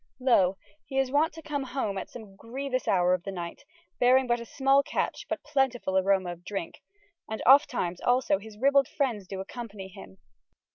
Lo he is wonte to come home at some grievous houre of ye nyghte, bearing but a smalle catche but plentyful aroma of drinke, and ofttimes alsoe hys rybalde freinds do accompany hym.